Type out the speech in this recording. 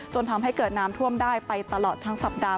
จนทำให้เกิดน้ำท่วมได้ไปตลอดทั้งสัปดาห